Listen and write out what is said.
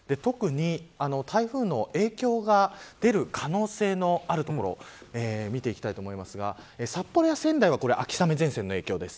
特に台風の影響が出る可能性のある所を見ていきますが札幌や仙台は秋雨前線の影響です。